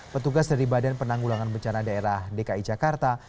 petugas dari badan penanggulangan bencana daerah dki jakarta